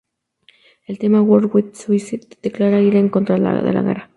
El tema "World Wide Suicide" declara ira en contra de la guerra.